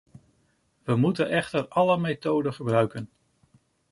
We moeten echter alle methoden gebruiken.